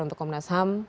untuk komnas ham